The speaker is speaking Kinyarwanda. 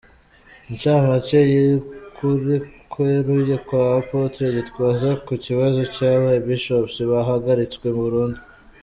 Incamake y’ukuri kweruye kwa Apotre Gitwaza ku kibazo cy’aba Bishops bahagaritswe burundu.